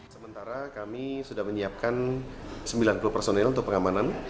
sementara kami sudah menyiapkan sembilan puluh personil untuk pengamanan